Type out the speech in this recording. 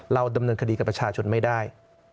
ดำเนินคดีกับประชาชนไม่ได้